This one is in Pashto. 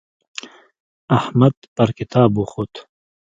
احمد پر کتاب وخوت.